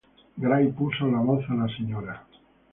Gray puso la voz a la Sra.